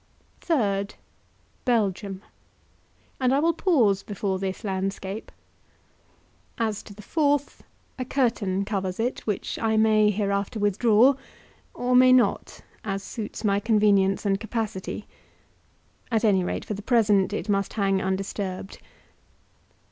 Third, Belgium; and I will pause before this landscape. As to the fourth, a curtain covers it, which I may hereafter withdraw, or may not, as suits my convenience and capacity. At any rate, for the present it must hang undisturbed.